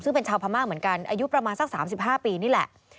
ซึ่งเป็นชาวพม่าเหมือนกันอายุประมาณสัก๓๕ปีนี่แหละ